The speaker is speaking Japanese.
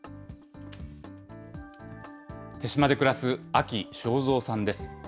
豊島で暮らす安岐正三さんです。